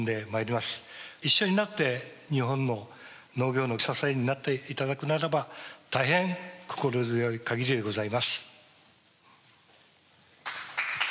一緒になって日本の農業の支えになっていただくならば大変心強い限りでございます。